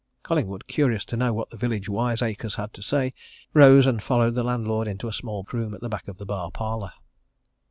Collingwood, curious to know what the village wiseacres had to say, rose, and followed the landlord into a small room at the back of the bar parlour.